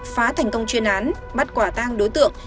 phá thành công chuyên án bắt quả tang đối tượng